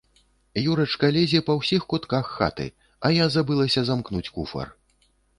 Юрачка лезе па ўсіх кутках хаты, а я забылася замкнуць куфар.